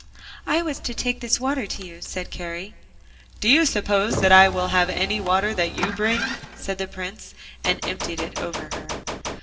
'I was to take this water to you,' said Kari. 'Do you suppose that I will have any water that you bring?' said the Prince, and emptied it over her.